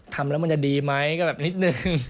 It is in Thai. ทำแล้วมันจะดีไหมก็แบบนิดนึง